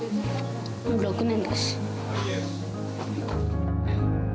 もう６年だし。